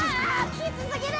◆きつすぎる。